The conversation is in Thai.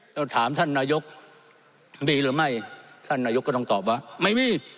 เราถามท่านนายกมีหรือไม่ท่านนายกก็ต้องตอบว่าไม่มี